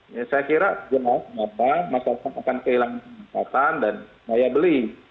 saya kira jelas masyarakat akan kehilangan kemampuan dan layak beli